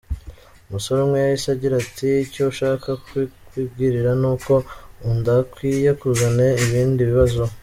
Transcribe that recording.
Umusore umwe yahise agira ati “Icyo nshaka kukwibwirira ni uko udakwiye kuzana ibindi bibazo.